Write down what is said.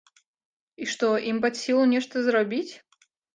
І што, ім пад сілу нешта зрабіць?